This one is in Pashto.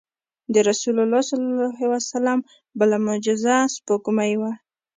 د رسول الله صلی الله علیه وسلم بله معجزه سپوږمۍ وه.